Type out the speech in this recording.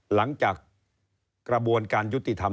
หลังจากกระบวนการยุติธรรม